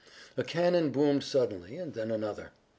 A cannon boomed suddenly and then another.